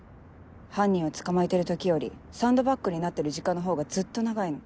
犯人を捕まえてる時よりサンドバッグになってる時間のほうがずっと長いの。